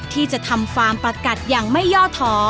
ที่จะทำฟาร์มประกัดอย่างไม่ย่อท้อ